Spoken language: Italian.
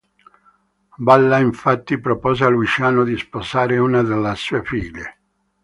Balla, infatti propose a Luciano di sposare una delle sue figlie.